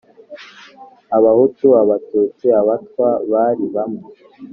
Abahutu, Abatutsi, Abatwa, bari bamwe